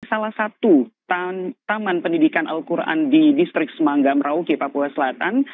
salah satu taman pendidikan al quran di distrik semangga merauke papua selatan